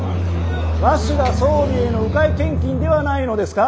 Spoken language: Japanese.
鷲田総理への迂回献金ではないのですか？